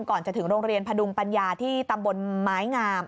ก่อนจะถึงโรงเรียนพดุงปัญญาที่ตำบลไม้งาม